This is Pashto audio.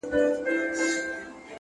میاشتي ووتې طوطي هسی ګونګی وو!